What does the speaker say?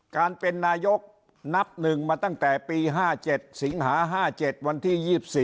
การเป็นนายกนับหนึ่งมาตั้งแต่ปี๕๗สิงหา๕๗วันที่๒๔